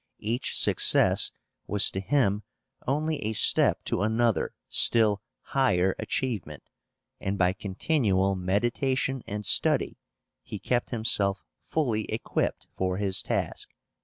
Each success was to him only a step to another still higher achievement; and by continual meditation and study he kept himself fully equipped for his task.